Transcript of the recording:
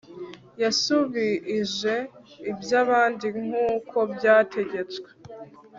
yasubuije iby abandi nku ko byategetswe